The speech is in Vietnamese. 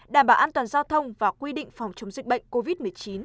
đảm bảo an toàn giao thông và quy định phòng chống dịch bệnh covid một mươi chín